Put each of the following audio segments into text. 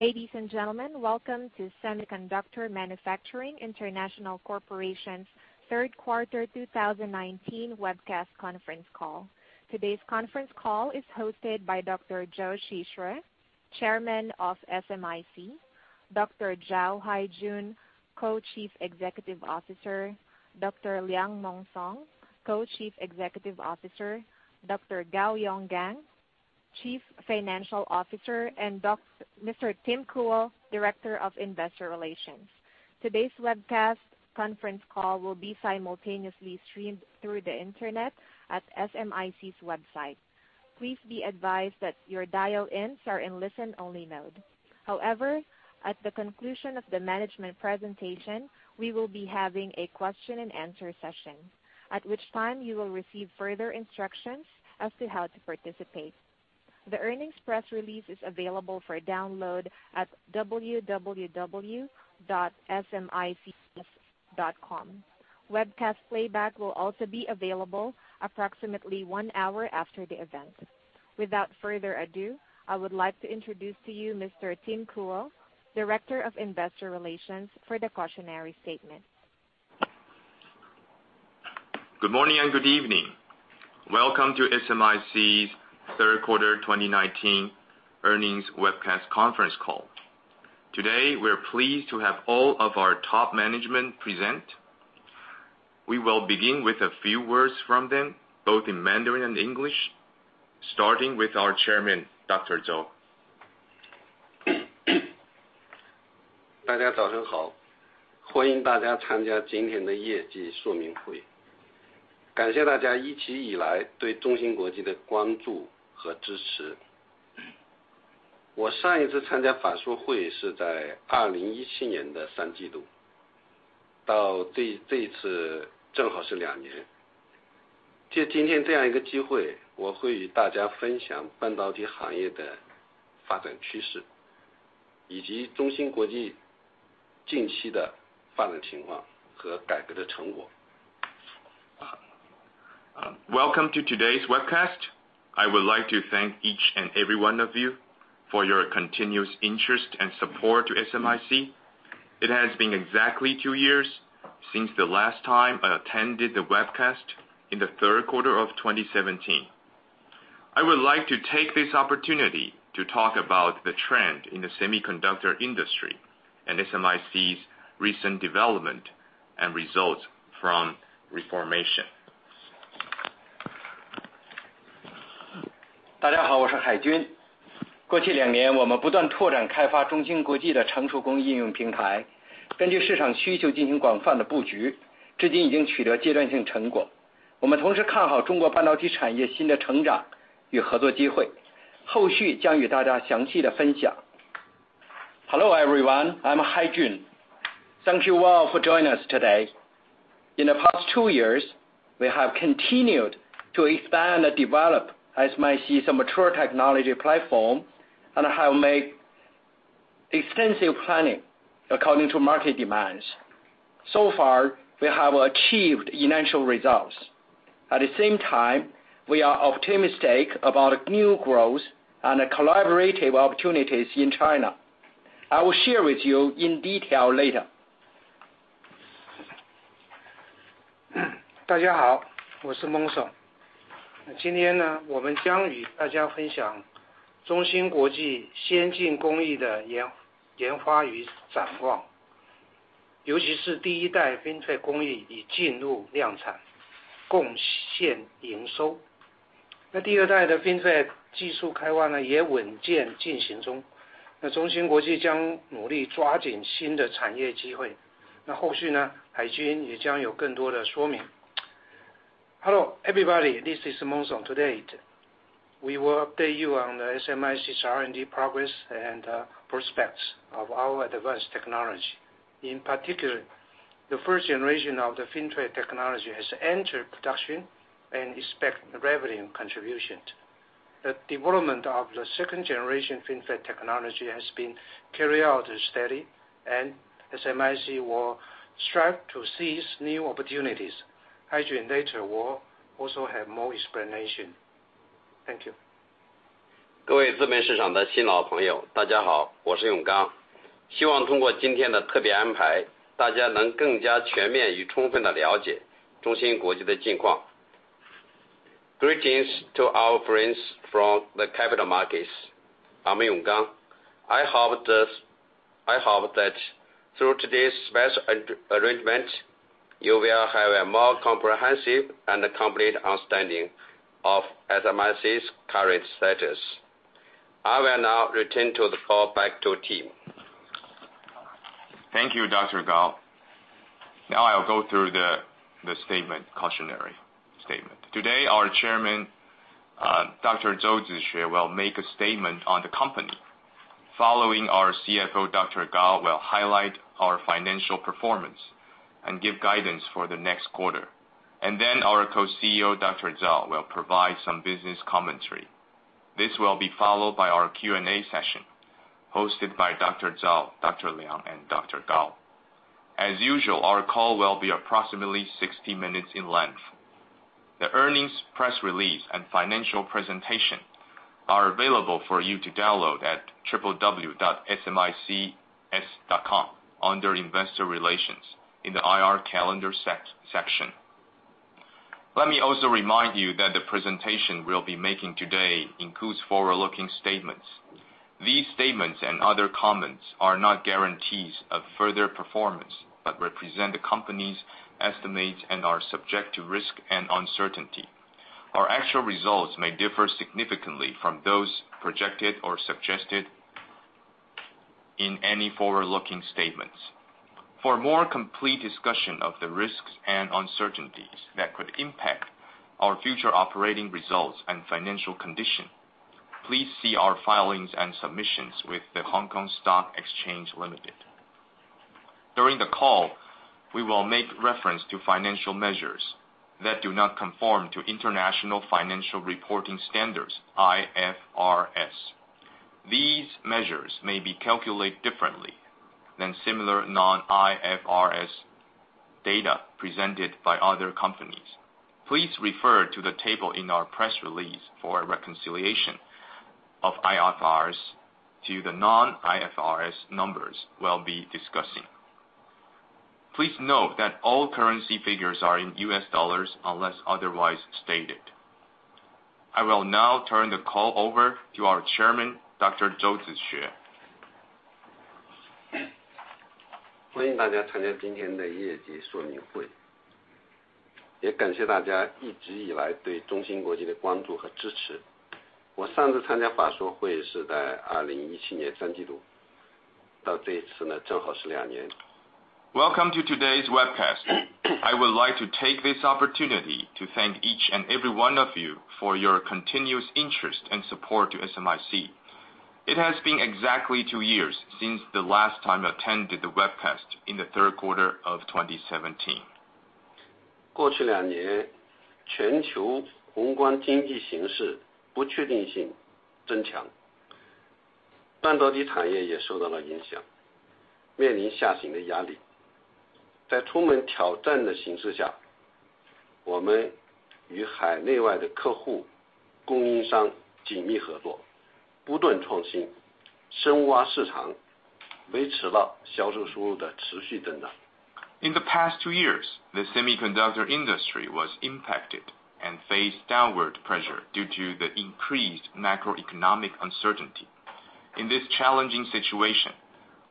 Ladies and gentlemen, welcome to Semiconductor Manufacturing International Corporation's third quarter 2019 webcast conference call. Today's conference call is hosted by Dr. Zhou Zixue, Chairman of SMIC, Dr. Zhao Haijun, Co-Chief Executive Officer, Dr. Liang Mong Song, Co-Chief Executive Officer, Dr. Gao Yonggang, Chief Financial Officer, and Mr. Tim Kuo, Director of Investor Relations. Today's webcast conference call will be simultaneously streamed through the internet at SMIC's website. Please be advised that your dial-ins are in listen-only mode. At the conclusion of the management presentation, we will be having a question and answer session, at which time you will receive further instructions as to how to participate. The earnings press release is available for download at www.smic.com. Webcast playback will also be available approximately one hour after the event. Without further ado, I would like to introduce to you Mr. Tim Kuo, Director of Investor Relations, for the cautionary statement. Good morning and good evening. Welcome to SMIC's third quarter 2019 earnings webcast conference call. Today, we're pleased to have all of our top management present. We will begin with a few words from them, both in Mandarin and English, starting with our Chairman, Dr. Zhou. Welcome to today's webcast. I would like to thank each and every one of you for your continuous interest and support to SMIC. It has been exactly two years since the last time I attended the webcast in the third quarter of 2017. I would like to take this opportunity to talk about the trend in the semiconductor industry and SMIC's recent development and results from reformation. Hello, everyone. I'm Haijun. Thank you all for joining us today. In the past two years, we have continued to expand and develop SMIC's mature technology platform and have made extensive planning according to market demands. We have achieved initial results. At the same time, we are optimistic about new growth and collaborative opportunities in China. I will share with you in detail later. Hello, everybody. This is Mong Song. Today, we will update you on the SMIC's R&D progress and prospects of our advanced technology. In particular, the first generation of the FinFET technology has entered production and expect revenue contributions. The development of the second generation FinFET technology has been carried out steady, and SMIC will strive to seize new opportunities. Haijun later will also have more explanation. Thank you. Greetings to our friends from the capital markets. I'm Yonggang. I hope that through today's special arrangement, you will have a more comprehensive and complete understanding of SMIC's current status. I will now return the call back to Tim. Thank you, Dr. Gao. I'll go through the cautionary statement. Today, our Chairman, Dr. Zhou Zixue, will make a statement on the company. Following, our CFO, Dr. Gao, will highlight our financial performance and give guidance for the next quarter. Our Co-CEO, Dr. Zhao, will provide some business commentary. This will be followed by our Q&A session hosted by Dr. Zhao, Dr. Liang, and Dr. Gao. As usual, our call will be approximately 60 minutes in length. The earnings press release and financial presentation are available for you to download at www.smics.com under investor relations in the IR calendar section. Let me also remind you that the presentation we'll be making today includes forward-looking statements. These statements and other comments are not guarantees of further performance, but represent the company's estimates and are subject to risk and uncertainty. Our actual results may differ significantly from those projected or suggested in any forward-looking statements. For a more complete discussion of the risks and uncertainties that could impact our future operating results and financial condition, please see our filings and submissions with the Hong Kong Stock Exchange Limited. During the call, we will make reference to financial measures that do not conform to international financial reporting standards, IFRS. These measures may be calculated differently than similar non-IFRS data presented by other companies. Please refer to the table in our press release for a reconciliation of IFRS to the non-IFRS numbers we'll be discussing. Please note that all currency figures are in US dollars unless otherwise stated. I will now turn the call over to our Chairman, Dr. Zhou Zixue. 欢迎大家参加今天的业绩说明会。也感谢大家一直以来对中芯国际的关注和支持。我上次参加法说会是在2017年三季度，到这一次正好是两年。Welcome to today's webcast. I would like to take this opportunity to thank each and every one of you for your continuous interest and support to SMIC. It has been exactly two years since the last time I attended the webcast in the third quarter of 2017. 过去两年，全球宏观经济形势不确定性增强，半导体产业也受到了影响，面临下行的压力。在充满挑战的形势下，我们与海内外的客户、供应商紧密合作，不断创新，深挖市场，维持了销售收入的持续增长。In the past two years, the semiconductor industry was impacted and faced downward pressure due to the increased macroeconomic uncertainty. In this challenging situation,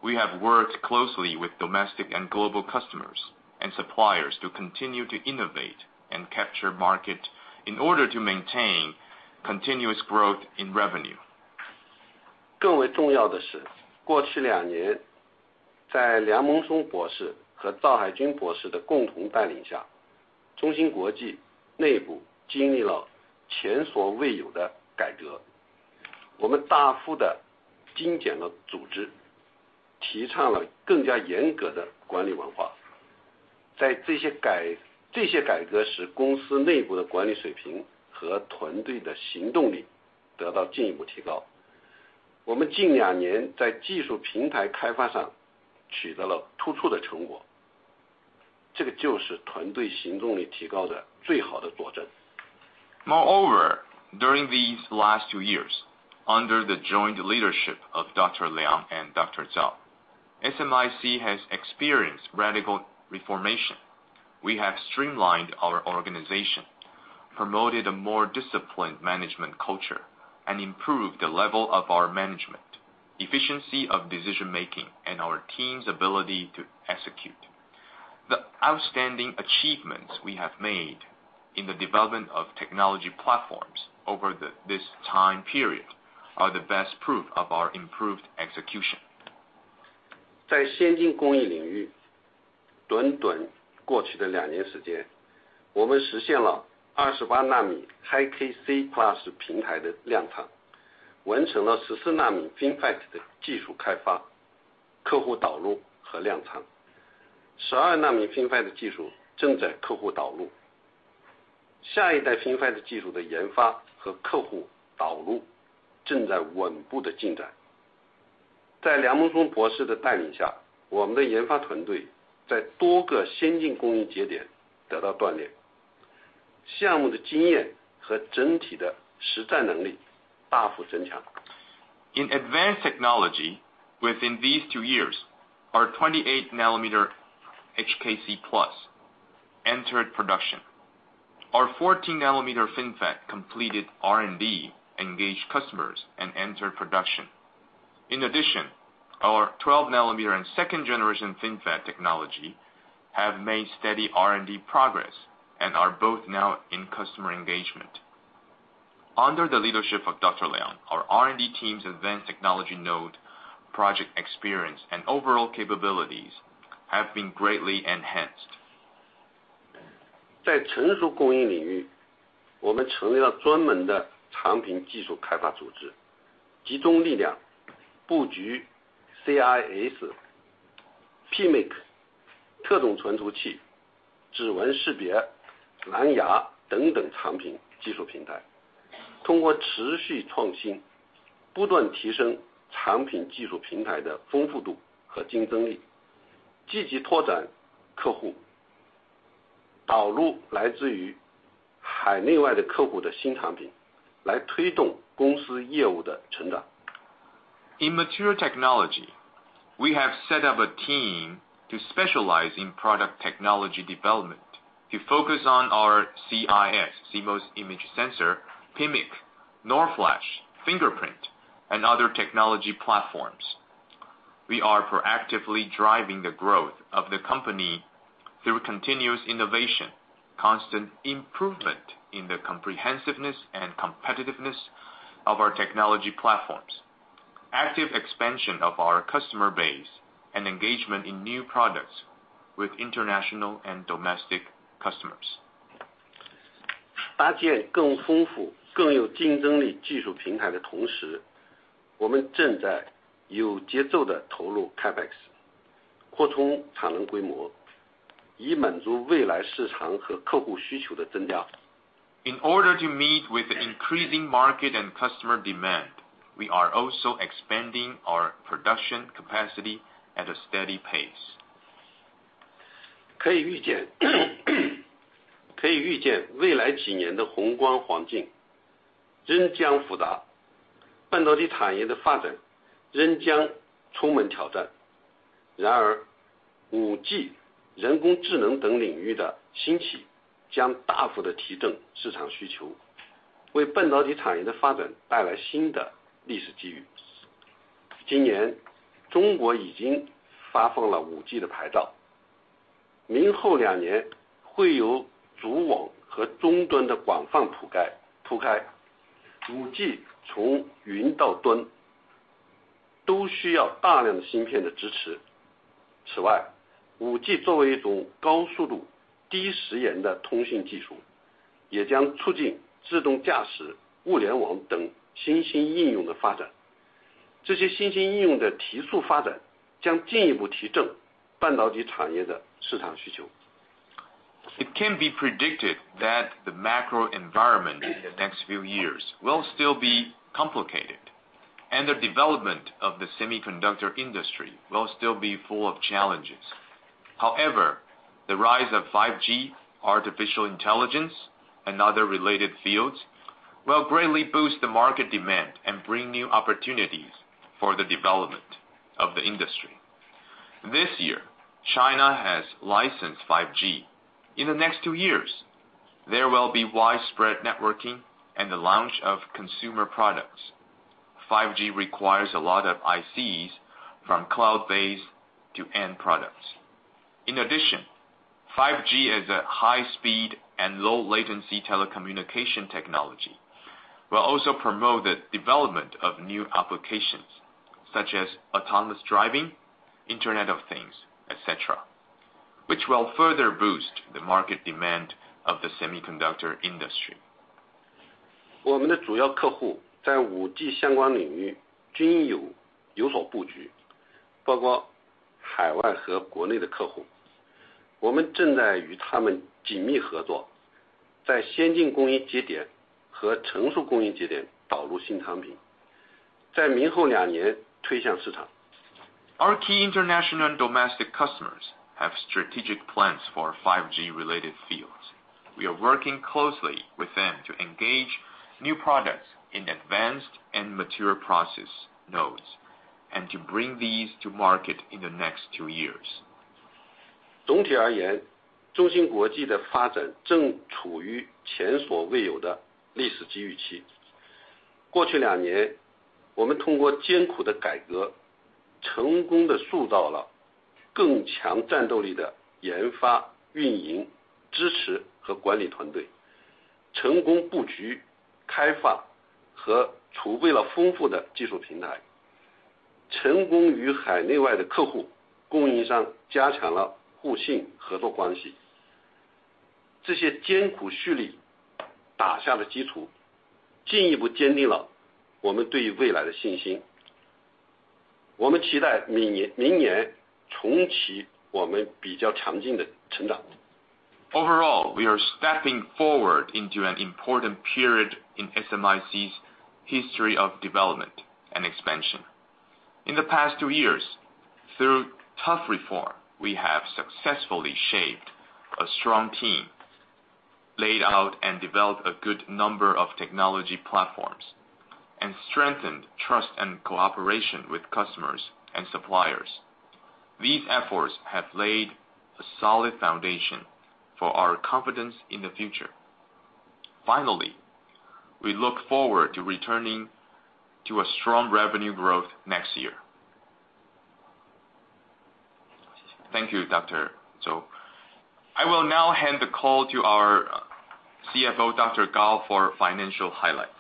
we have worked closely with domestic and global customers and suppliers to continue to innovate and capture market in order to maintain continuous growth in revenue. During these last two years, under the joint leadership of Dr. Liang and Dr. Zhao, SMIC has experienced radical reformation. We have streamlined our organization, promoted a more disciplined management culture, and improved the level of our management, efficiency of decision making, and our team's ability to execute. The outstanding achievements we have made in the development of technology platforms over this time period are the best proof of our improved execution. In advanced technology, within these two years, our 28 nanometer HKC+ entered production. Our 14 nanometer FinFET completed R&D, engaged customers and entered production. Our 12 nanometer and second generation FinFET technology have made steady R&D progress and are both now in customer engagement. Under the leadership of Dr. Liang, our R&D team's advanced technology node, project experience, and overall capabilities have been greatly enhanced. 在成熟工艺领域，我们成立了专门的产品技术开发组织，集中力量布局CIS、PMIC、特种存储器、指纹识别、蓝牙等等产品技术平台，通过持续创新，不断提升产品技术平台的丰富度和竞争力。积极拓展客户，导入来自于海内外的客户的新产品，来推动公司业务的成长。In Material Technology, we have set up a team to specialize in product technology development, to focus on our CIS, CMOS image sensor, PMIC, NOR flash, fingerprint, and other technology platforms. We are proactively driving the growth of the company through continuous innovation, constant improvement in the comprehensiveness and competitiveness of our technology platforms, active expansion of our customer base, and engagement in new products with international and domestic customers. 搭建更丰富、更有竞争力技术平台的同时，我们正在有节奏地投入CapEx，扩充产能规模，以满足未来市场和客户需求的增长。In order to meet with the increasing market and customer demand, we are also expanding our production capacity at a steady pace. It can be predicted that the macro environment in the next few years will still be complicated, and the development of the semiconductor industry will still be full of challenges. However, the rise of 5G, artificial intelligence, and other related fields will greatly boost the market demand and bring new opportunities for the development of the industry. This year, China has licensed 5G. In the next two years, there will be widespread networking and the launch of consumer products. 5G requires a lot of ICs from cloud-based to end products. In addition, 5G as a high speed and low latency telecommunication technology, will also promote the development of new applications such as autonomous driving, Internet of Things, ETC., which will further boost the market demand of the semiconductor industry. 我们的主要客户在5G相关领域均有所布局，包括海外和国内的客户。我们正在与他们紧密合作，在先进工艺节点和成熟工艺节点导入新产品，在明后两年推向市场。Our key international and domestic customers have strategic plans for 5G related fields. We are working closely with them to engage new products in advanced and mature process nodes, and to bring these to market in the next two years. Overall, we are stepping forward into an important period in SMIC's history of development and expansion. In the past two years, through tough reform, we have successfully shaped a strong team, laid out and developed a good number of technology platforms, and strengthened trust and cooperation with customers and suppliers. These efforts have laid a solid foundation for our confidence in the future. Finally, we look forward to returning to a strong revenue growth next year. Thank you, Dr. Zhou. I will now hand the call to our CFO, Dr. Gao, for financial highlights.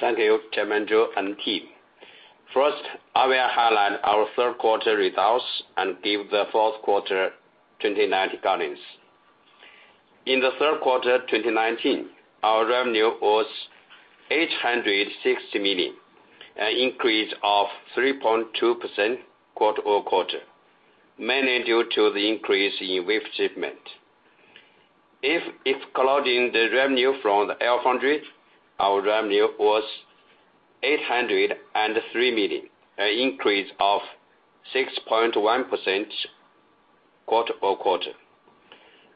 Thank you Chairman Zhou and team. First, I will highlight our third quarter results and give the fourth quarter 2019 guidance. In the third quarter 2019, our revenue was $860 million, an increase of 3.2% quarter-over-quarter, mainly due to the increase in wafer shipment. If excluding the revenue from the LFoundry, our revenue was $803 million, an increase of 6.1% quarter-over-quarter.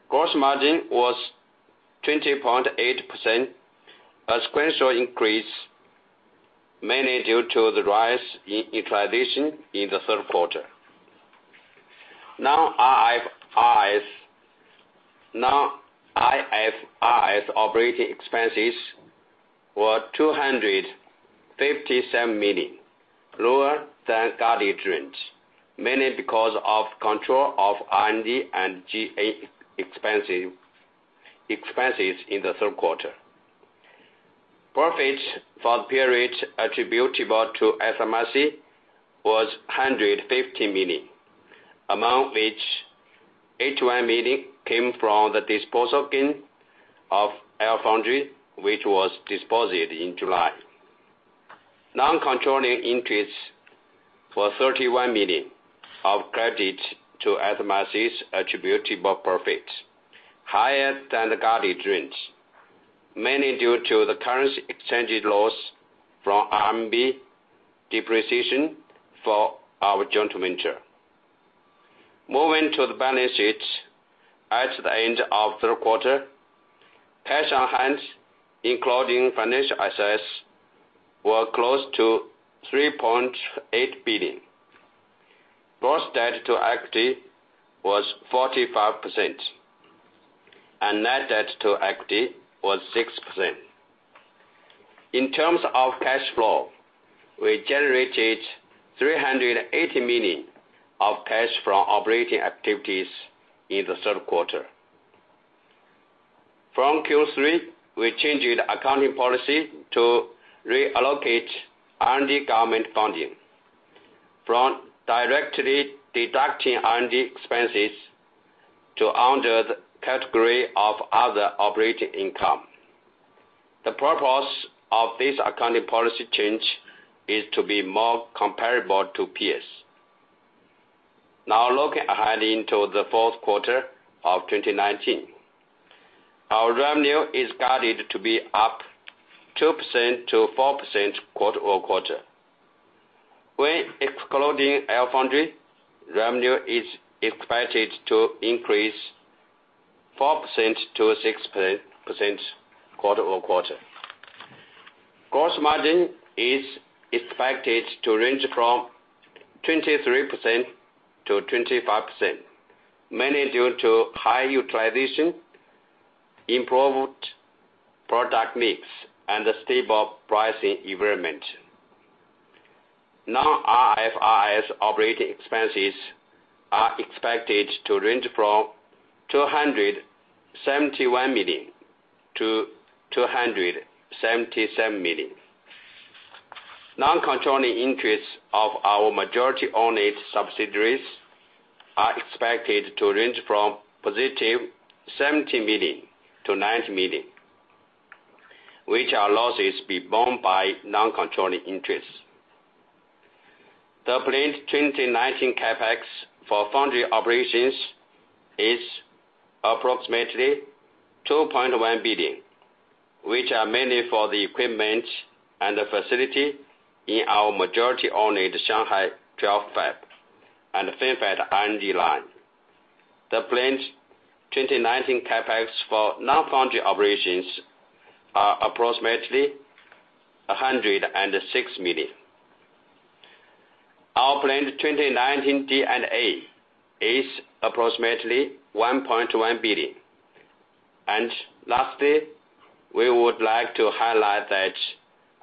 Gross margin was 20.8%, a sequential increase mainly due to the rise in utilization in the third quarter. Non-IFRS operating expenses were $257 million, lower than guided range, mainly because of control of R&D and G&A expenses in the third quarter. Profit for the period attributable to SMIC was $150 million, among which $81 million came from the disposal gain of LFoundry, which was disposed in July. Non-controlling interests were $31 million of credit to SMIC's attributable profit, higher than the guided range, mainly due to the currency exchange loss from RMB depreciation for our joint venture. Moving to the balance sheet. At the end of the third quarter, cash on hand, including financial assets, were close to $3.8 billion. Gross debt to equity was 45%, net debt to equity was 6%. In terms of cash flow, we generated $380 million of cash from operating activities in the third quarter. From Q3, we changed the accounting policy to reallocate R&D government funding from directly deducting R&D expenses to under the category of other operating income. The purpose of this accounting policy change is to be more comparable to peers. Looking ahead into the fourth quarter of 2019. Our revenue is guided to be up 2%-4% quarter-over-quarter. When excluding LFoundry, revenue is expected to increase 4%-6% quarter-over-quarter. Gross margin is expected to range from 23%-25%, mainly due to high utilization, improved product mix, and a stable pricing environment. Non-IFRS operating expenses are expected to range from $271 million-$277 million. Non-controlling interests of our majority-owned subsidiaries are expected to range from positive $17 million-$19 million, which are losses borne by non-controlling interests. The planned 2019 CapEx for foundry operations is approximately $2.1 billion, which are mainly for the equipment and the facility in our majority-owned Shanghai 12 fab and [Fanfab] R&D line. The planned 2019 CapEx for non-foundry operations are approximately $106 million. Our planned 2019 D&A is approximately $1.1 billion. Lastly, we would like to highlight that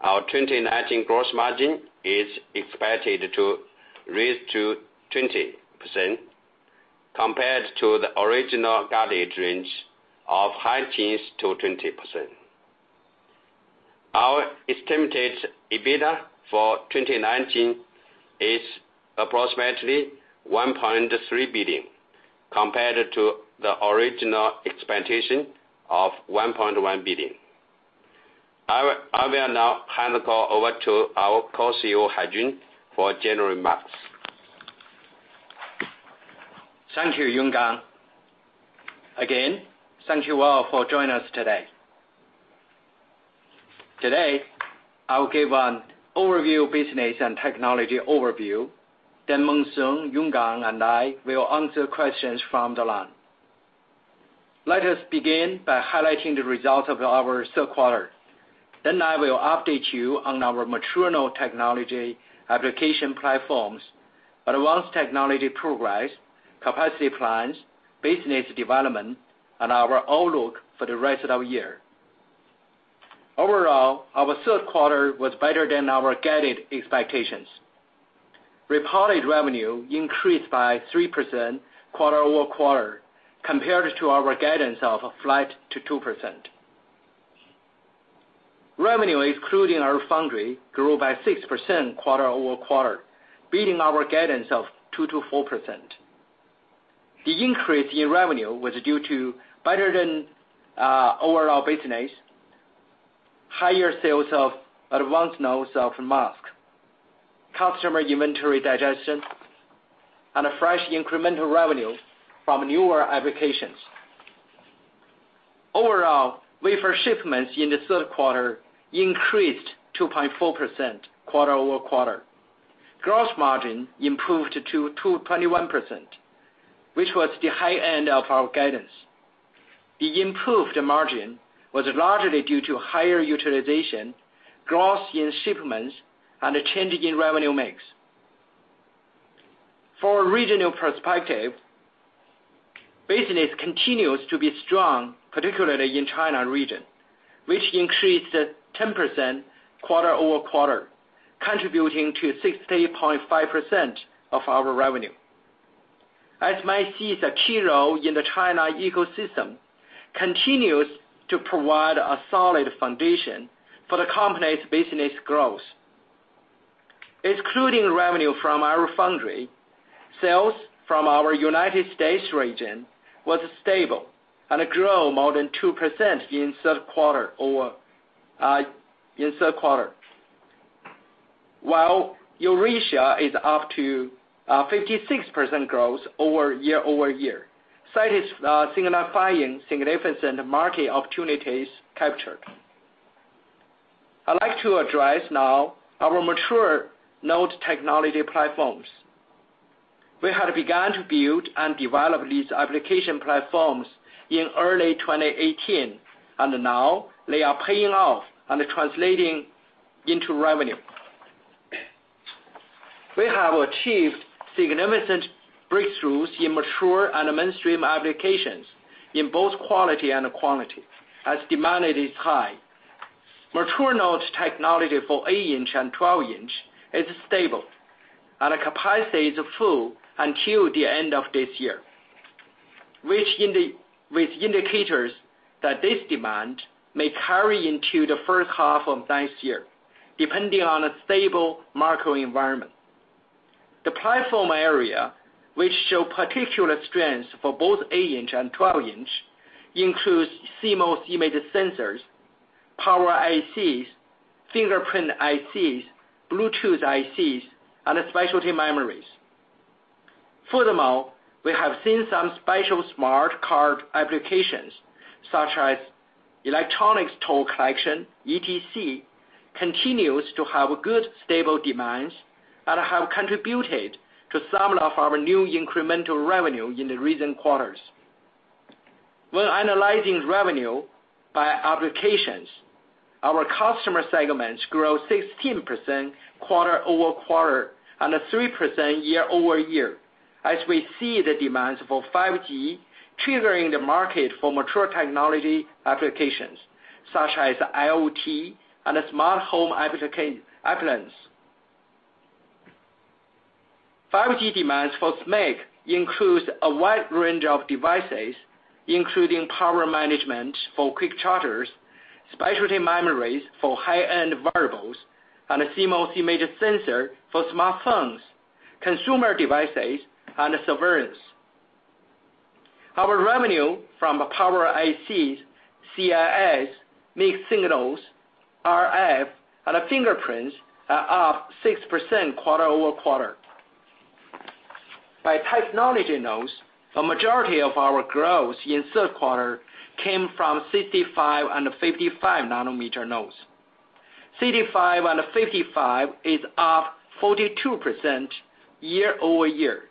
our 2019 gross margin is expected to rise to 20%, compared to the original guided range of high teens to 20%. Our estimated EBITDA for 2019 is approximately $1.3 billion compared to the original expectation of $1.1 billion. I will now hand the call over to our Co-CEO, Haijun, for general remarks. Thank you, Yonggang. Again, thank you all for joining us today. Today, I will give an overview of business and technology overview, then Mong Song, Yonggang, and I will answer questions from the line. Let us begin by highlighting the results of our third quarter. I will update you on our mature node technology application platforms, advanced technology progress, capacity plans, business development, and our outlook for the rest of the year. Overall, our third quarter was better than our guided expectations. Reported revenue increased by 3% quarter-over-quarter compared to our guidance of flat to 2%. Revenue excluding our LFoundry grew by 6% quarter-over-quarter, beating our guidance of 2% to 4%. The increase in revenue was due to better than overall business. Higher sales of advanced nodes of mask, customer inventory digestion, and fresh incremental revenue from newer applications. Overall, wafer shipments in the third quarter increased 2.4% quarter-over-quarter. Gross margin improved to 21%, which was the high end of our guidance. The improved margin was largely due to higher utilization, growth in shipments, and a change in revenue mix. For regional perspective, business continues to be strong, particularly in China region, which increased 10% quarter-over-quarter, contributing to 60.5% of our revenue. As you may see, the key role in the China ecosystem continues to provide a solid foundation for the company's business growth. Excluding revenue from our foundry, sales from our U.S. region was stable and grew more than 2% in third quarter. Eurasia is up to 56% growth year-over-year, signifying significant market opportunities captured. I'd like to address now our mature node technology platforms. We had begun to build and develop these application platforms in early 2018, and now they are paying off and translating into revenue. We have achieved significant breakthroughs in mature and mainstream applications in both quality and quantity as demand is high. Mature node technology for 8-inch and 12-inch is stable, and capacity is full until the end of this year. With indicators that this demand may carry into the first half of next year, depending on a stable macro environment. The platform area, which show particular strength for both 8-inch and 12-inch, includes CMOS image sensors, power ICs, fingerprint ICs, Bluetooth ICs, and specialty memories. Furthermore, we have seen some special smart card applications such as electronics toll collection, ETC, continues to have good, stable demands and have contributed to some of our new incremental revenue in the recent quarters. When analyzing revenue by applications, our customer segments grow 16% quarter-over-quarter and 3% year-over-year, as we see the demands for 5G triggering the market for mature technology applications such as IoT and smart home appliances. 5G demands for SMIC includes a wide range of devices, including power management for quick chargers, specialty memories for high-end variables, and a CMOS image sensor for smartphones, consumer devices, and servers. Our revenue from power ICs, CIS, mixed signals, RF, and fingerprints are up 6% quarter-over-quarter. By technology nodes, a majority of our growth in the third quarter came from 65 and 55 nanometer nodes. 65 and 55 is up 42% year-over-year,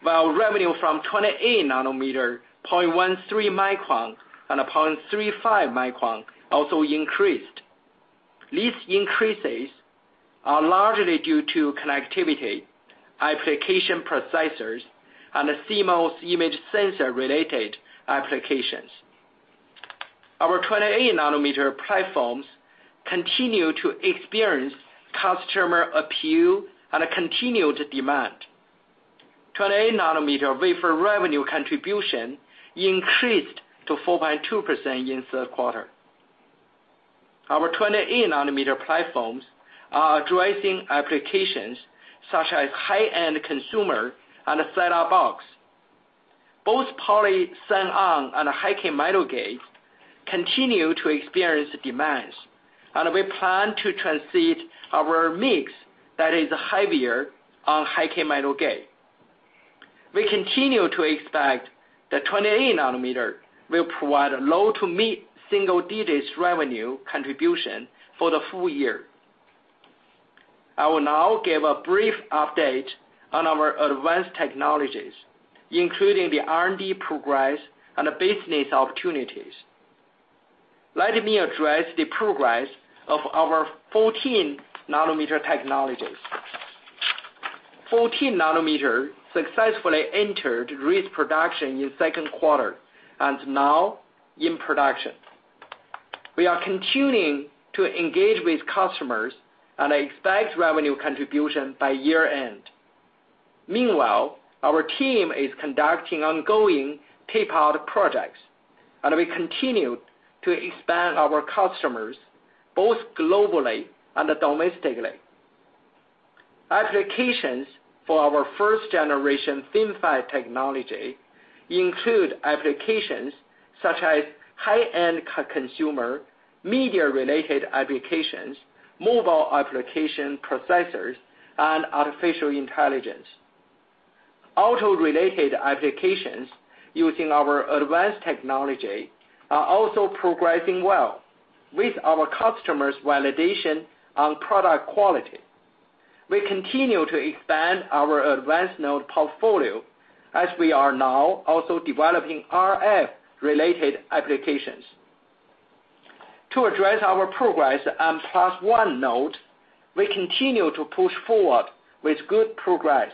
while revenue from 28 nanometer, 0.13 micron and 0.35 micron also increased. These increases are largely due to connectivity, application processors, and CMOS image sensor-related applications. Our 28 nanometer platforms continue to experience customer appeal and continued demand. 28 nanometer wafer revenue contribution increased to 4.2% in the third quarter. Our 28 nanometer platforms are addressing applications such as high-end consumer and set-top box. Both PolySiON and high-k metal gate continue to experience demands. We plan to transit our mix that is heavier on high-k metal gate. We continue to expect that 28 nanometer will provide low to mid-single digits revenue contribution for the full year. I will now give a brief update on our advanced technologies, including the R&D progress and the business opportunities. Let me address the progress of our 14 nanometer technologies. 14 nanometer successfully entered risk production in the second quarter and now in production. We are continuing to engage with customers and expect revenue contribution by year-end. Meanwhile, our team is conducting ongoing tape-out projects, and we continue to expand our customers both globally and domestically. Applications for our first-generation FinFET technology include applications such as high-end consumer, media-related applications, mobile application processors, and artificial intelligence. Auto-related applications using our advanced technology are also progressing well with our customers' validation on product quality. We continue to expand our advanced node portfolio as we are now also developing RF-related applications. To address our progress on plus one node, we continue to push forward with good progress.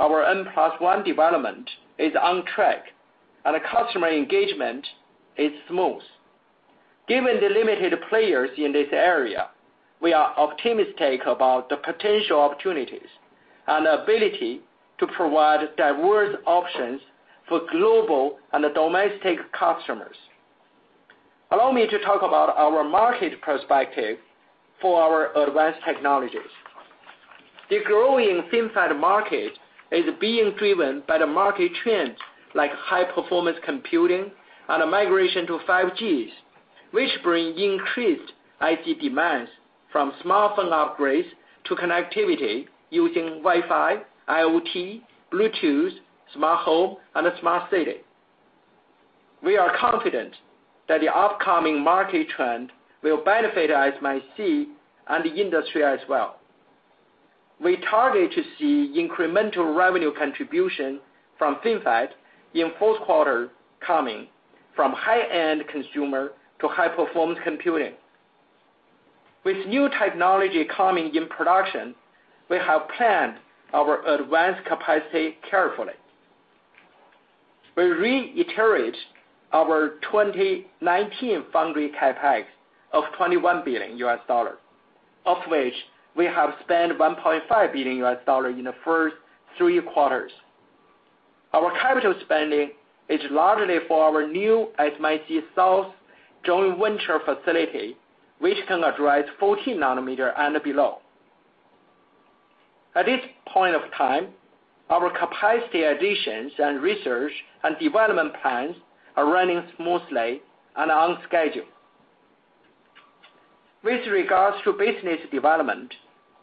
Our N plus one development is on track, and customer engagement is smooth. Given the limited players in this area, we are optimistic about the potential opportunities and ability to provide diverse options for global and domestic customers. Allow me to talk about our market perspective for our advanced technologies. The growing FinFET market is being driven by the market trends like high-performance computing and a migration to 5Gs, which bring increased IC demands from smartphone upgrades to connectivity using Wi-Fi, IoT, Bluetooth, smart home, and smart city. We are confident that the upcoming market trend will benefit SMIC, and the industry as well. We target to see incremental revenue contribution from FinFET in Q4 coming from high-end consumer to high-performance computing. With new technology coming in production, we have planned our advanced capacity carefully. We reiterate our 2019 foundry CapEx of $2.1 billion, of which we have spent $1.5 billion in the first three quarters. Our capital spending is largely for our new SMIC South joint venture facility, which can address 14 nanometer and below. At this point of time, our capacity additions and research and development plans are running smoothly and on schedule. With regards to business development,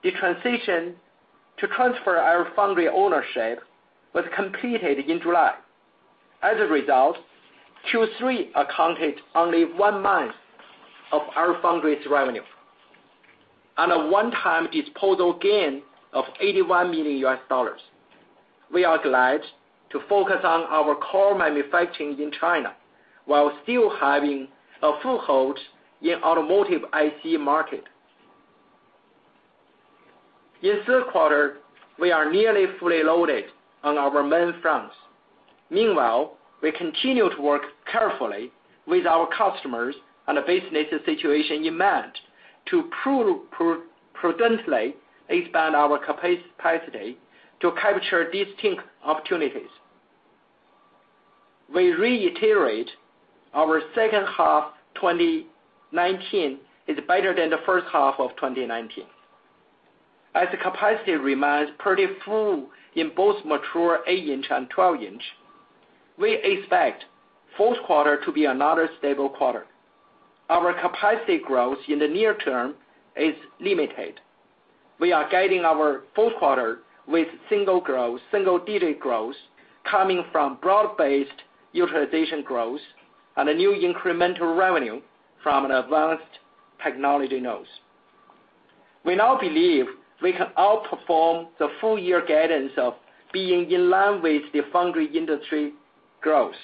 the transition to transfer our LFoundry ownership was completed in July. As a result, Q3 accounted only one month of our LFoundry's revenue and a one-time disposal gain of $81 million. We are glad to focus on our core manufacturing in China while still having a foothold in automotive IC market. In Q3, we are nearly fully loaded on our main fronts. Meanwhile, we continue to work carefully with our customers on the business situation demand to prudently expand our capacity to capture distinct opportunities. We reiterate our second half 2019 is better than the first half of 2019. As the capacity remains pretty full in both mature 8-inch and 12-inch, we expect Q4 to be another stable quarter. Our capacity growth in the near term is limited. We are guiding our Q4 with single digit growth coming from broad-based utilization growth and a new incremental revenue from the advanced technology nodes. We now believe we can outperform the full year guidance of being in line with the foundry industry growth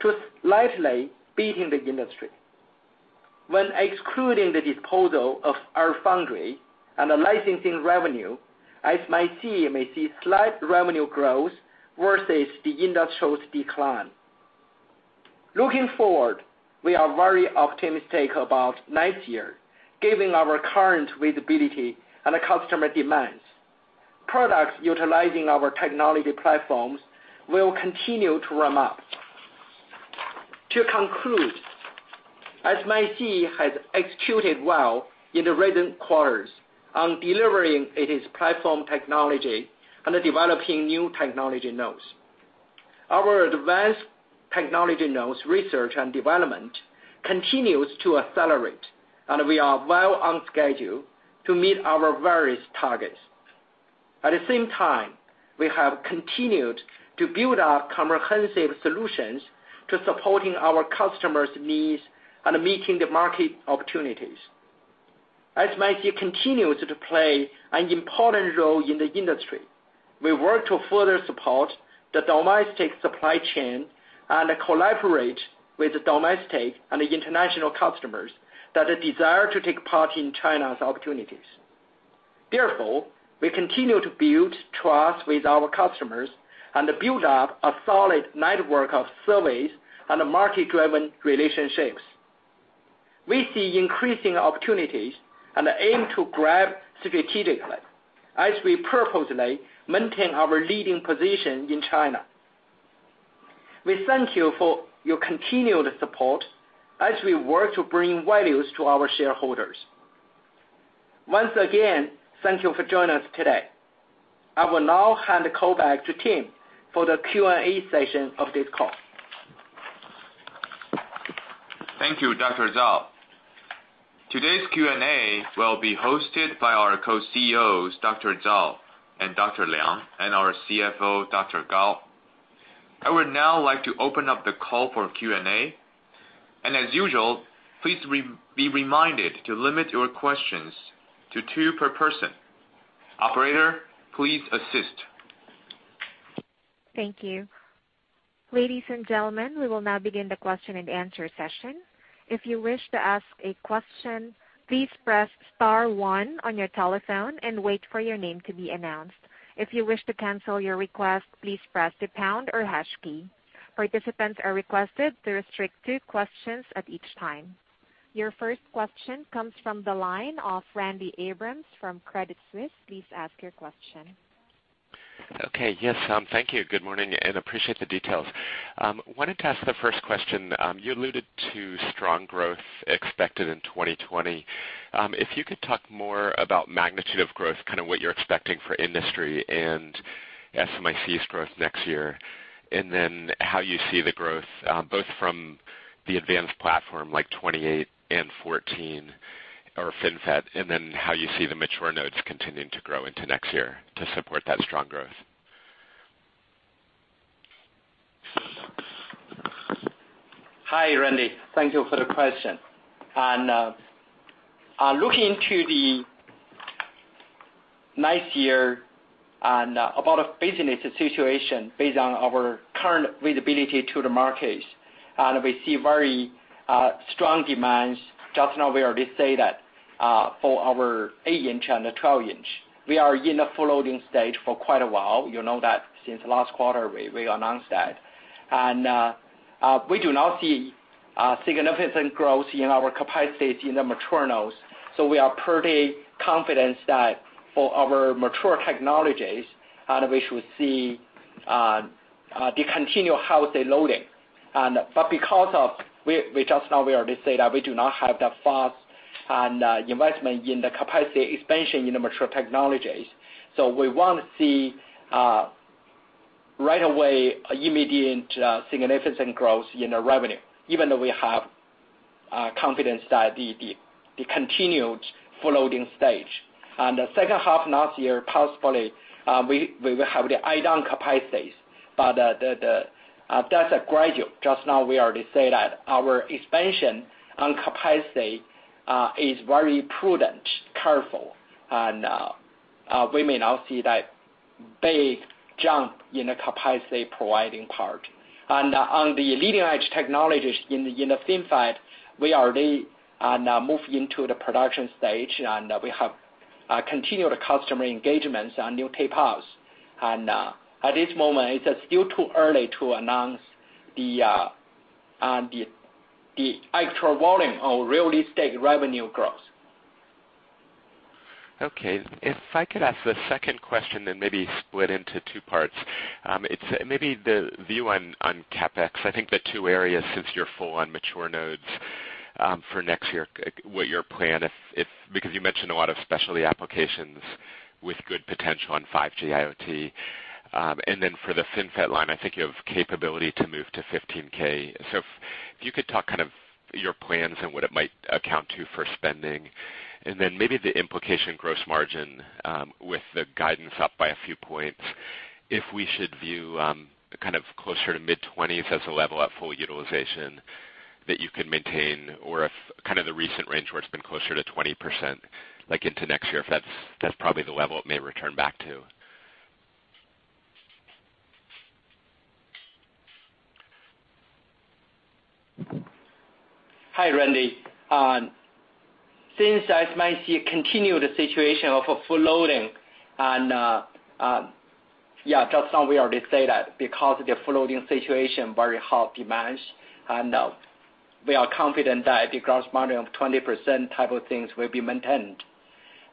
to slightly beating the industry. When excluding the disposal of our foundry and the licensing revenue, SMIC may see slight revenue growth versus the industrial decline. Looking forward, we are very optimistic about next year, given our current visibility and customer demands. Products utilizing our technology platforms will continue to ramp up. To conclude, SMIC has executed well in the recent quarters on delivering its platform technology and developing new technology nodes. Our advanced technology nodes research and development continues to accelerate, and we are well on schedule to meet our various targets. At the same time, we have continued to build up comprehensive solutions to supporting our customers' needs and meeting the market opportunities. SMIC continues to play an important role in the industry. We work to further support the domestic supply chain and collaborate with domestic and international customers that desire to take part in China's opportunities. Therefore, we continue to build trust with our customers and build up a solid network of surveys and market-driven relationships. We see increasing opportunities and aim to grab strategically as we purposely maintain our leading position in China. We thank you for your continued support as we work to bring values to our shareholders. Once again, thank you for joining us today. I will now hand the call back to Tim for the Q&A session of this call. Thank you, Dr. Zhao. Today's Q&A will be hosted by our Co-CEOs, Dr. Zhao and Dr. Liang, and our CFO, Dr. Gao. I would now like to open up the call for Q&A, and as usual, please be reminded to limit your questions to two per person. Operator, please assist. Thank you. Ladies and gentlemen, we will now begin the question and answer session. If you wish to ask a question, please press star one on your telephone and wait for your name to be announced. If you wish to cancel your request, please press the pound or hash key. Participants are requested to restrict two questions at each time. Your first question comes from the line of Randy Abrams from Credit Suisse. Please ask your question. Okay. Yes, thank you. Good morning. Appreciate the details. Wanted to ask the first question. You alluded to strong growth expected in 2020. If you could talk more about magnitude of growth, kind of what you're expecting for industry and SMIC's growth next year. How you see the growth, both from the advanced platform like 28 and 14 or FinFET, and then how you see the mature nodes continuing to grow into next year to support that strong growth. Hi, Randy. Thank you for the question. On looking to the next year and about a business situation based on our current visibility to the markets, we see very strong demands. Just now, we already say that, for our 8-inch and the 12-inch. We are in a full loading stage for quite a while. You know that since last quarter, we announced that. We do not see significant growth in our capacity in the mature nodes. We are pretty confident that for our mature technologies, we should see the continual how they loading. We just now we already say that we do not have the fast and investment in the capacity expansion in the mature technologies. We won't see, right away, immediate significant growth in the revenue, even though we have confidence that the continued full loading stage. The second half last year, possibly, we will have the add-on capacities, but that's a gradual. Just now we already say that our expansion on capacity is very prudent, careful, and, we may now see that big jump in the capacity providing part. On the leading-edge technologies in the FinFET, we already are now moving into the production stage, and we have continued customer engagements on new tape outs. At this moment, it's still too early to announce the actual volume or realistic revenue growth. Okay. If I could ask the second question, then maybe split into two parts. It's maybe the view on CapEx. I think the two areas, since you're full on mature nodes, for next year, what your plan. Because you mentioned a lot of specialty applications with good potential on 5G IoT. For the FinFET line, I think you have capability to move to 15K. If you could talk kind of your plans and what it might account to for spending, maybe the implication gross margin, with the guidance up by a few points, if we should view, kind of closer to mid-20s as the level at full utilization that you can maintain or if kind of the recent range where it's been closer to 20%, like into next year, if that's probably the level it may return back to. Hi, Randy. Since SMIC continued the situation of a full loading and, just now we already say that because of the full loading situation, very high demands, and we are confident that the gross margin of 20% type of things will be maintained.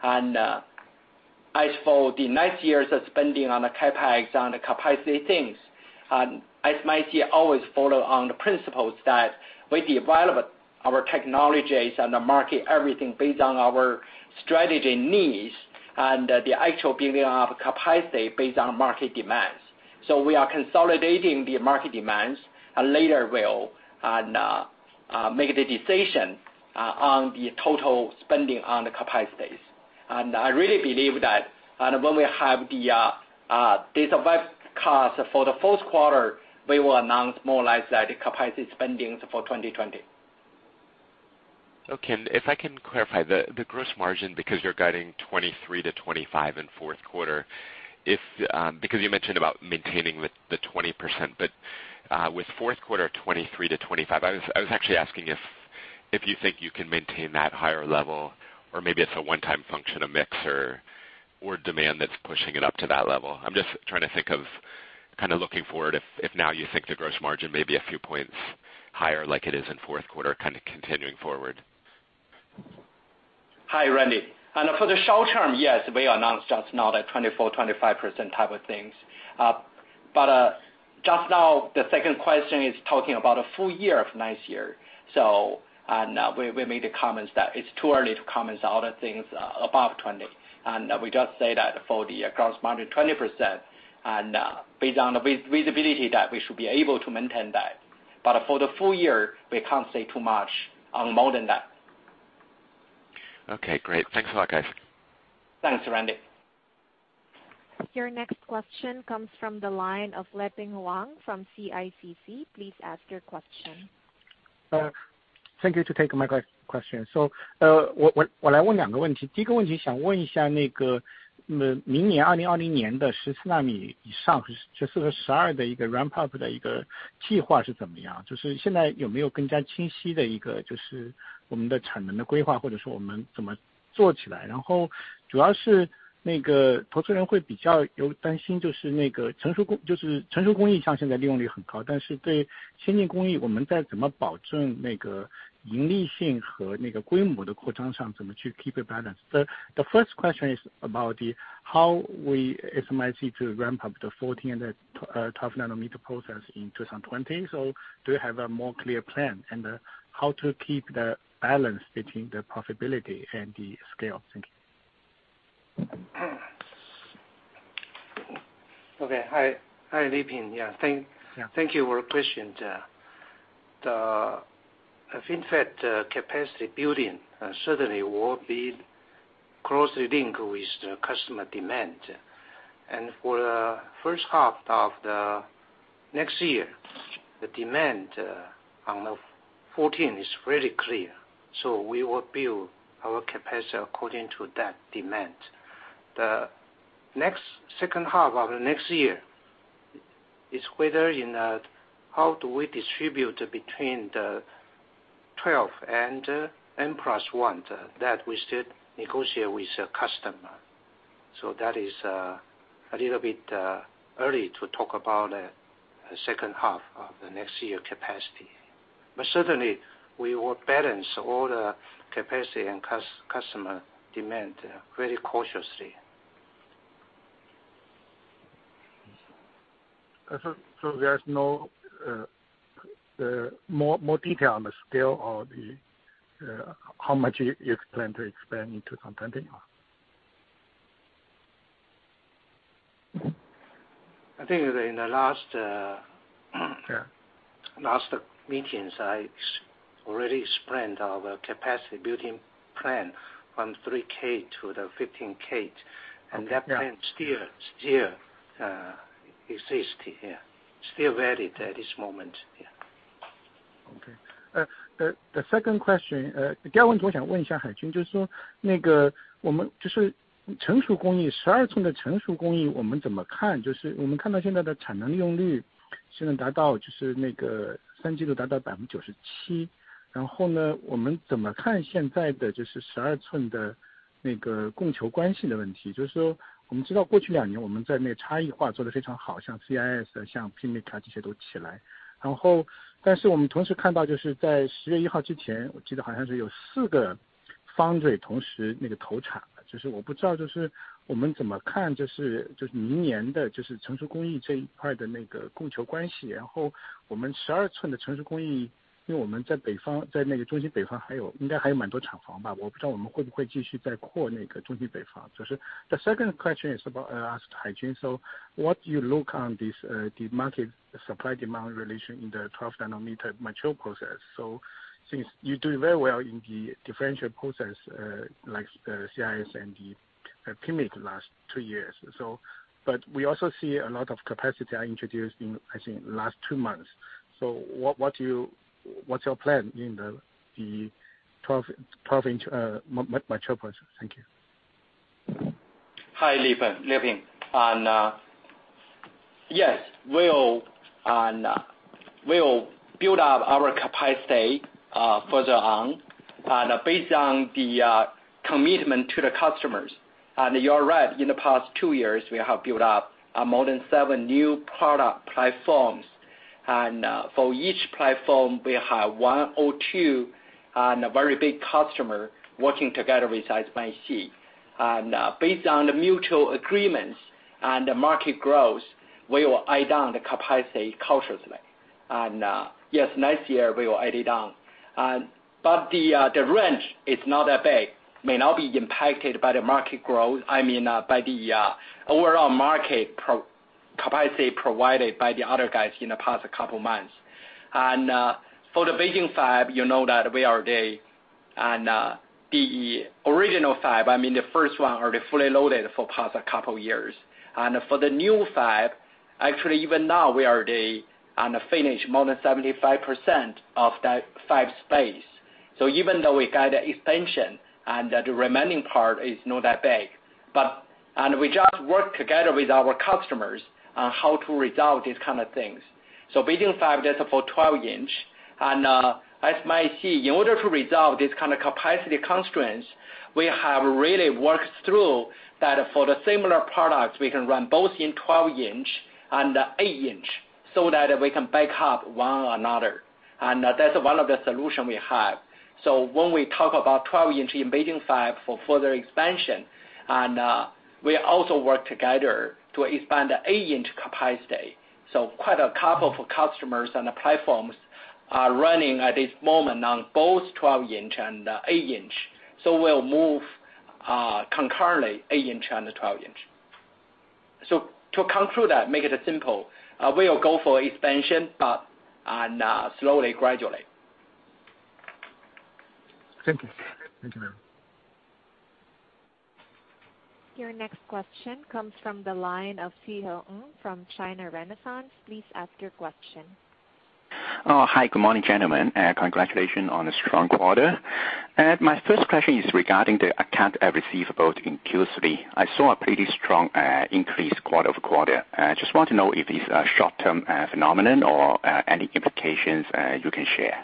As for the next year's spending on the CapEx, on the capacity things, SMIC always follow on the principles that with the development our technologies and the market, everything based on our strategy needs and the actual building of capacity based on market demands. We are consolidating the market demands and later will, make the decision on the total spending on the capacities. I really believe that when we have the data webcast for the fourth quarter, we will announce more or less the capacity spendings for 2020. Okay. If I can clarify, the gross margin, you're guiding 23% to 25% in fourth quarter. You mentioned about maintaining the 20%, but with fourth quarter 23% to 25%, I was actually asking if you think you can maintain that higher level or maybe it's a one-time function of mix or demand that's pushing it up to that level. I'm just trying to think of kind of looking forward if now you think the gross margin may be a few points higher like it is in fourth quarter, kind of continuing forward. Hi, Randy. For the short term, yes, we announced just now that 24%-25% type of things. Just now, the second question is talking about a full year of next year. We made the comments that it's too early to comment on things above 20. We just say that for the gross margin, 20%, and based on the visibility, that we should be able to maintain that. For the full year, we can't say too much on more than that. Okay, great. Thanks a lot, guys. Thanks, Randy. Your next question comes from the line of Leping Huang from CICC. Please ask your question. Thank you to take my question. The first question is about how we, SMIC, to ramp up the 14 and the 12 nanometer process in 2020. Do you have a more clear plan and how to keep the balance between the profitability and the scale? Thank you. Okay. Hi, Leping. Yeah. Thank you for the question. The FinFET capacity building certainly will be closely linked with the customer demand. For the first half of the next year, the demand on the 14 is very clear. We will build our capacity according to that demand. The next second half of the next year is whether in how do we distribute between the 12 and N+1 that we still negotiate with the customer. That is a little bit early to talk about the second half of the next year capacity. Certainly, we will balance all the capacity and customer demand very cautiously. There's no more detail on the scale or how much you plan to expand into. I think in the last. Yeah. Last meetings, I already explained our capacity building plan from 3K to the 15K. Okay. Yeah. That plan still exists, yeah. Still valid at this moment. Yeah. Okay. The second question is about, I asked Haijun, what do you look on this, the market supply, demand relation in the 12 nanometer mature process? Since you do very well in the differential process, like the CIS and the PMIC last two years. We also see a lot of capacity are introduced in, I think, last two months. What's your plan in the 12-inch mature process? Thank you. Hi, Leping. Yes, we'll build up our capacity further on, based on the commitment to the customers. You're right, in the past two years, we have built up more than seven new product platforms. For each platform, we have one or two and a very big customer working together with SMIC. Based on the mutual agreements and the market growth, we will eye down the capacity cautiously. Yes, next year we will eye it down. The range is not that big, may not be impacted by the market growth, I mean, by the overall market capacity provided by the other guys in the past couple months. For the Beijing fab, you know that we are the original fab. I mean, the first one already fully loaded for past a couple years. For the new fab, actually, even now, we already finished more than 75% of that fab space. Even though we got expansion and the remaining part is not that big. We just work together with our customers on how to resolve these kind of things. Beijing fab, that's for 12-inch. SMIC, in order to resolve this kind of capacity constraints, we have really worked through that for the similar products, we can run both in 12-inch and 8-inch, so that we can back up one another. That's one of the solution we have. When we talk about 12-inch in Beijing fab for further expansion, and we also work together to expand the 8-inch capacity. Quite a couple of customers on the platforms are running at this moment on both 12-inch and 8-inch. We'll move concurrently 8-inch and the 12-inch. To conclude that, make it simple, we'll go for expansion, but on slowly gradually. Thank you. Thank you, ma'am. Your next question comes from the line of Si Hang from China Renaissance. Please ask your question. Oh, hi. Good morning, gentlemen. Congratulations on a strong quarter. My first question is regarding the account receivable in Q3. I saw a pretty strong increase quarter-over-quarter. I just want to know if it's a short-term phenomenon or any implications you can share.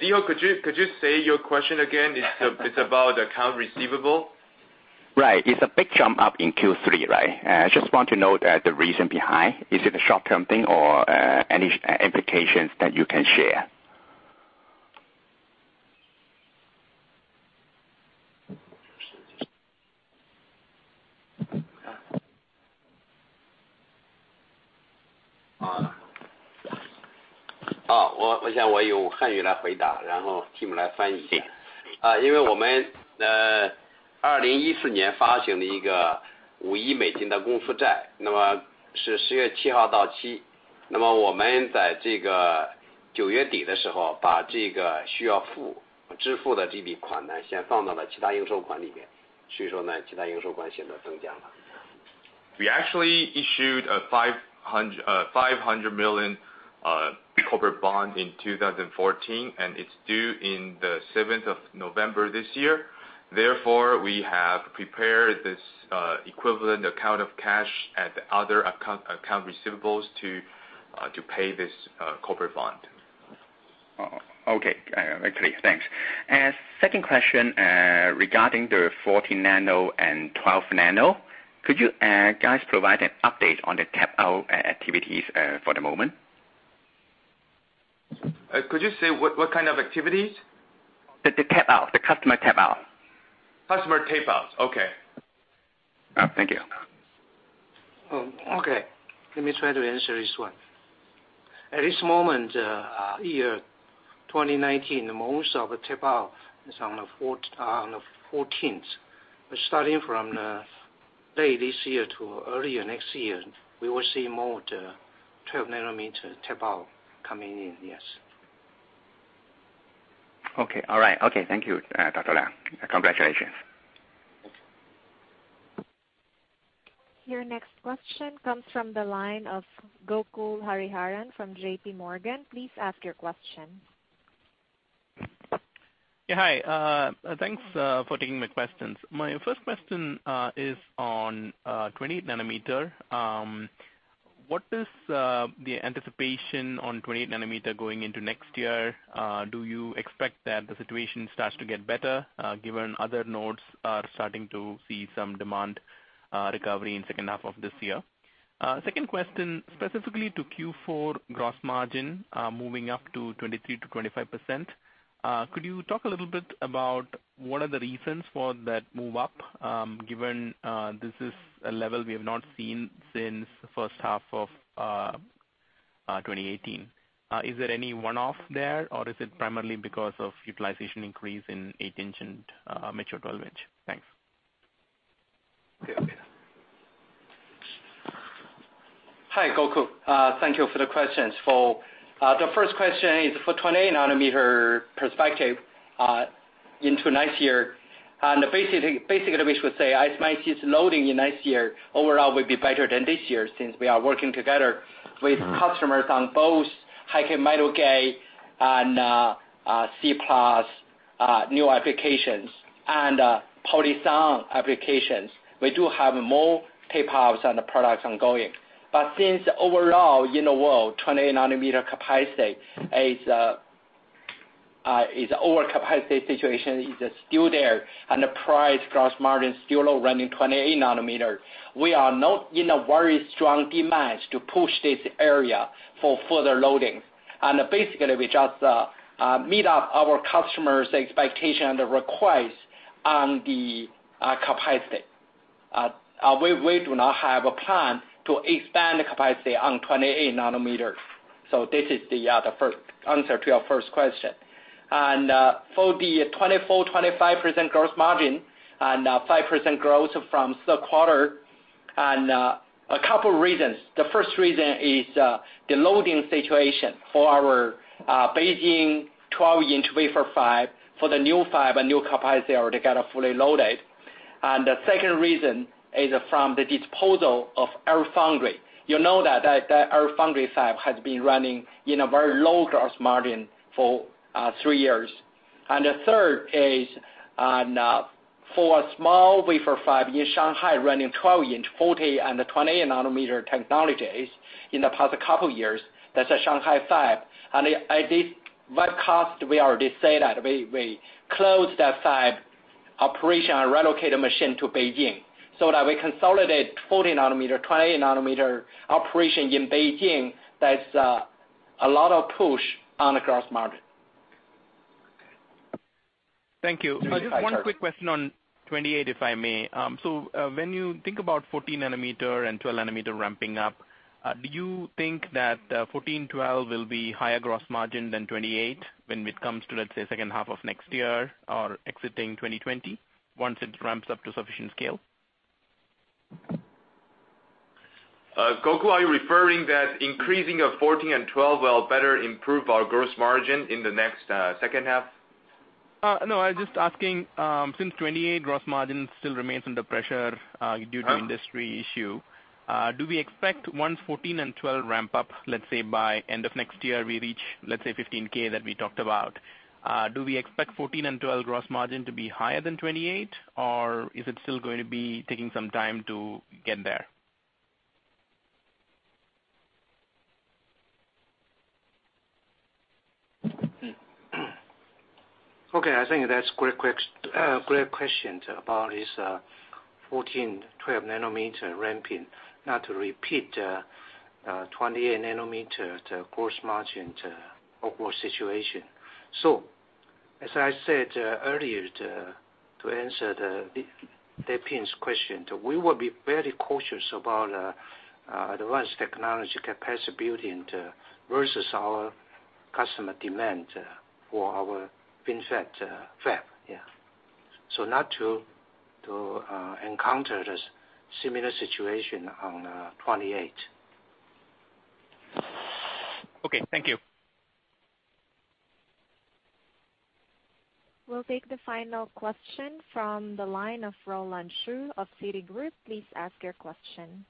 Si Hang, could you say your question again? It's about account receivable? Right. It's a big jump up in Q3, right? I just want to know the reason behind. Is it a short-term thing or any implications that you can share? We actually issued a $500 million corporate bond in 2014. It's due in the 7th of November this year. Therefore, we have prepared this equivalent account of cash at the other account receivables to pay this corporate bond. Oh, okay. Actually, thanks. Second question, regarding the 14 nano and 12 nano, could you guys provide an update on the tape-out activities for the moment? Could you say what kind of activities? The tape-out, the customer tape-out. Customer tape-outs. Okay. Thank you. Okay. Let me try to answer this one. At this moment, year 2019, most of the tape-out is on the 14s. Starting from late this year to early next year, we will see more of the 12 nanometer tape-out coming in. Yes. Okay. All right. Okay, thank you, Dr. Liang. Congratulations. Thanks. Your next question comes from the line of Gokul Hariharan from JPMorgan. Please ask your question. Hi. Thanks for taking my questions. My first question is on 28 nanometer. What is the anticipation on 28 nanometer going into next year? Do you expect that the situation starts to get better, given other nodes are starting to see some demand recovery in second half of this year? Second question, specifically to Q4 gross margin, moving up to 23%-25%. Could you talk a little bit about what are the reasons for that move up, given this is a level we have not seen since the first half of 2018? Is there any one-off there, or is it primarily because of utilization increase in 8-inch and mature 12-inch? Thanks. Okay. Hi, Gokul. Thank you for the questions. For the first question is for 28 nanometer perspective into next year. Basically, we should say ASML is loading in next year. Overall will be better than this year since we are working together with customers on both high-k metal gate and C+ new applications and PolySiON applications. We do have more tape-outs on the products ongoing. Since overall in the world, 28 nanometer capacity is overcapacity situation is still there, and the price gross margin is still low running 28 nanometer. We are not in a very strong demand to push this area for further loading. Basically, we just meet up our customers' expectation and the request on the capacity. We do not have a plan to expand the capacity on 28 nanometers. This is the answer to your first question. For the 24%-25% gross margin and 5% growth from the quarter, a couple reasons. The first reason is the loading situation for our Beijing 12-inch wafer fab for the new fab and new capacity are together fully loaded. The second reason is from the disposal of our LFoundry. You know that our LFoundry fab has been running in a very low gross margin for three years. The third is for a small wafer fab in Shanghai running 12-inch 40 nanometer and the 20 nanometer technologies in the past couple of years. That's a Shanghai fab. At this webcast, we already said that we closed that fab Relocate the machine to Beijing, so that we consolidate 14 nanometer, 28 nanometer operation in Beijing. That's a lot of push on the gross margin. Thank you. Hi, Carter. Just one quick question on 28, if I may. When you think about 14 nanometer and 12 nanometer ramping up, do you think that 14, 12 will be higher gross margin than 28 when it comes to, let's say, second half of next year or exiting 2020 once it ramps up to sufficient scale? Gokul, are you referring that increasing of 14 and 12 will better improve our gross margin in the next second half? No, I was just asking, since 28 gross margin still remains under pressure due to industry issue, do we expect once 14 and 12 ramp up, let's say by end of next year, we reach, let's say 15K that we talked about? Do we expect 14 and 12 gross margin to be higher than 28, or is it still going to be taking some time to get there? I think that's great question about 14 nanometer, 12 nanometer ramping, not to repeat 28 nanometer gross margin to upward situation. As I said earlier to answer the Leping's question, we will be very cautious about advanced technology capacity building to versus our customer demand for our FinFET fab, yeah. Not to encounter this similar situation on 28. Okay, thank you. We'll take the final question from the line of Roland Shu of Citigroup. Please ask your question.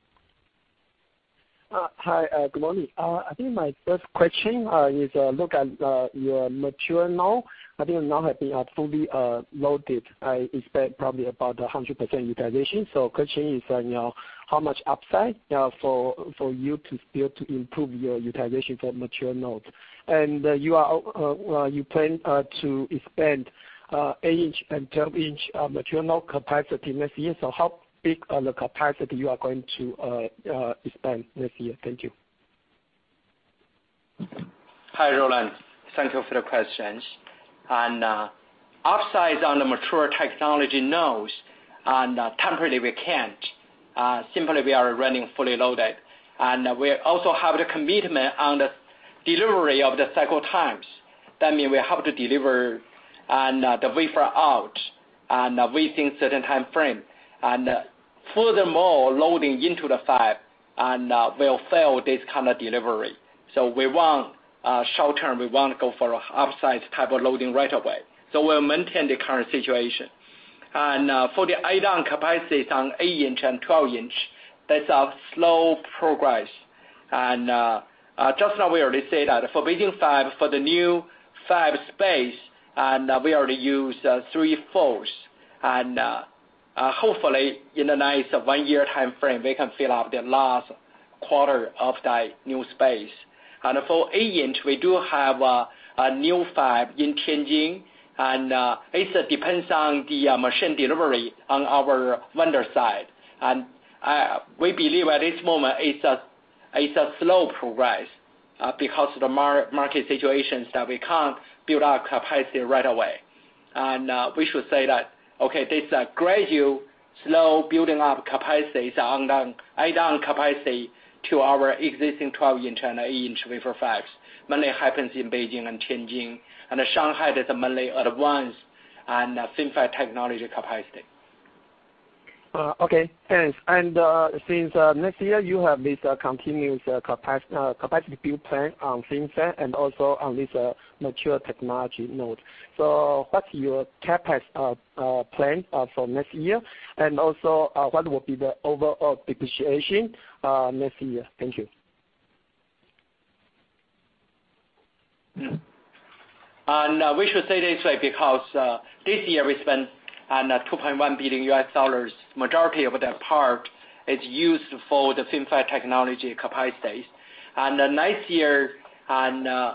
Hi, good morning. I think my first question is look at your mature now. I think now have been fully loaded, I expect probably about 100% utilization. Question is on your how much upside for you to still to improve your utilization for mature nodes. You plan to expand 8-inch and 12-inch mature node capacity this year. How big on the capacity you are going to expand this year? Thank you. Hi, Roland. Thank you for the questions. Upsides on the mature technology nodes, temporarily we can't. Simply, we are running fully loaded, we also have the commitment on the delivery of the cycle times. That mean we have to deliver on the wafer out within certain time frame. Furthermore, loading into the fab will fail this kind of delivery. Short-term, we won't go for a upside type of loading right away. We'll maintain the current situation. For the add-on capacities on 8-inch and 12-inch, that's a slow progress. Just now we already say that for Beijing fab, for the new fab space, we already use three-fourths. Hopefully, in the next one year timeframe, we can fill up the last quarter of that new space. For 8-inch, we do have a new fab in Tianjin, and it depends on the machine delivery on our vendor side. We believe at this moment it's a slow progress because of the market situations that we can't build our capacity right away. We should say that, okay, this gradual slow building up capacities on add-on capacity to our existing 12-inch and 8-inch wafer fabs mainly happens in Beijing and Tianjin. Shanghai is mainly advanced and FinFET technology capacity. Okay, thanks. Since next year you have this continuous capacity build plan on FinFET and also on this mature technology node. What's your CapEx plan for next year? Also, what will be the overall depreciation next year? Thank you. We should say this way because this year we spend $2.1 billion. Majority of that part is used for the FinFET technology capacities. Next year on,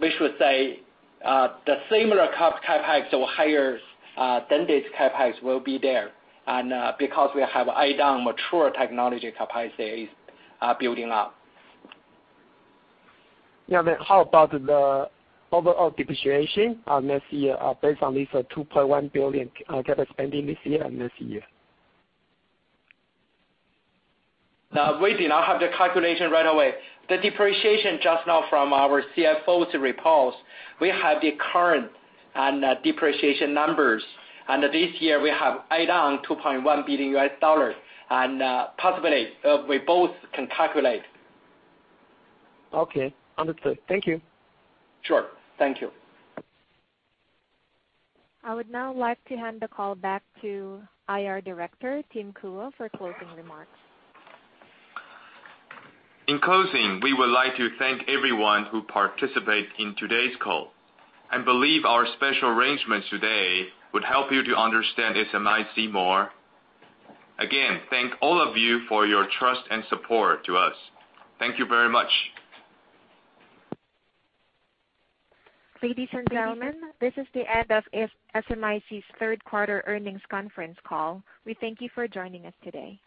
we should say, the similar CapEx or higher than this CapEx will be there, and because we have add-on mature technology capacity is building up. Yeah. How about the overall depreciation on this year based on this $2.1 billion CapEx spending this year and next year? We do not have the calculation right away. The depreciation just now from our CFO's reports, we have the current and depreciation numbers. This year we have add-on $2.1 billion, and possibly, we both can calculate. Okay, understood. Thank you. Sure. Thank you. I would now like to hand the call back to IR Director, Tim Kuo, for closing remarks. In closing, we would like to thank everyone who participate in today's call and believe our special arrangements today would help you to understand SMIC more. Thank all of you for your trust and support to us. Thank you very much. Ladies and gentlemen, this is the end of SMIC's third quarter earnings conference call. We thank you for joining us today.